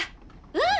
うん！